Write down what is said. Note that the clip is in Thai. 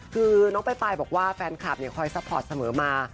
คือน้องป้ายป้ายบอกว่าแฟนคลับเนี่ยคอยซับพอร์ตเสมอมา